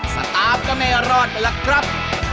สตาร์ฟก็ไม่รอดล่ะครับ